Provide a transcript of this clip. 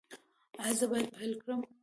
ایا زه باید پیل کړم؟